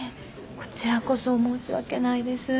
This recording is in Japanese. こちらこそ申し訳ないです